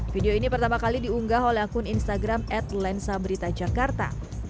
video ini pertama kali diunggah oleh akun instagram at lensa berita jakarta